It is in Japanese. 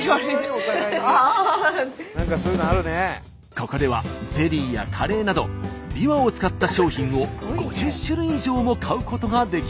ここではゼリーやカレーなどびわを使った商品を５０種類以上も買うことができます。